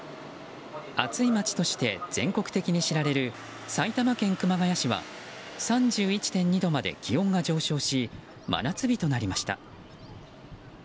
暑い街として全国的に知られる埼玉県熊谷市は３１．２度まで気温が上昇し真夏日となりました。